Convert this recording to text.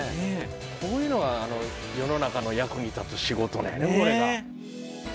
こういうのが世の中の役に立つ仕事なんやねん、これが。ねえ。